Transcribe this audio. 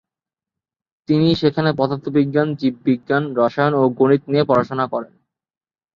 তিনি সেখানে পদার্থবিজ্ঞান, জীববিজ্ঞান, রসায়ন ও গণিত নিয়ে পড়াশোনা করেন।